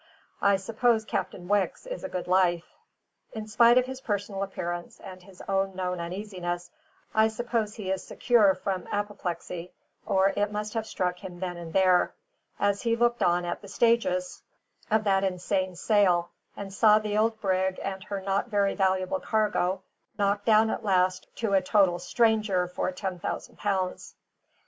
I suppose Captain Wicks is a good life. In spite of his personal appearance and his own known uneasiness, I suppose he is secure from apoplexy, or it must have struck him there and then, as he looked on at the stages of that insane sale and saw the old brig and her not very valuable cargo knocked down at last to a total stranger for ten thousand pounds.